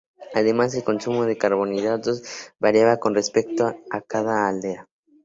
Además, el consumo de carbohidratos variaba con respecto a cada aldea.